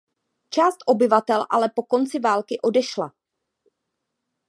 Část obyvatel ale po konci války odešla.